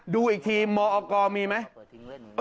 ดูอีกทีมอกรมีไหม